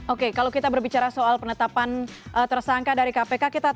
oke kalau kita berbicara soal penetapan tersangka dari kpk